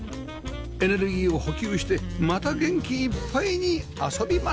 エネルギーを補給してまた元気いっぱいに遊びます。